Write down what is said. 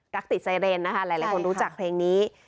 ติดไซเรนนะคะหลายคนรู้จักเพลงนี้